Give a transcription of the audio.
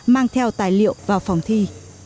mang theo tài liệu vào phòng thi